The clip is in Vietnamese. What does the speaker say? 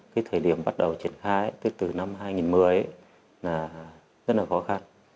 cái thời điểm bắt đầu triển khai tức từ năm hai nghìn một mươi là rất là khó khăn